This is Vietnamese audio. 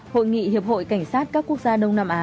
hội nghị hiệp hội cảnh sát các quốc gia đông nam á